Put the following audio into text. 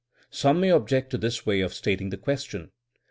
Some may object to this way of stating the question.